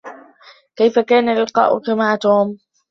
كيف كان لقاؤكِ مع توم؟